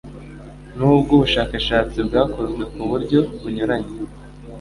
Nubwo ubushakashatsi bwakozwe ku buryo bunyuranye,